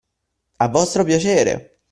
A vostro piacere!